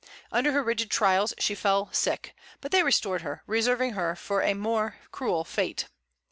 Under her rigid trials she fell sick; but they restored her, reserving her for a more cruel fate.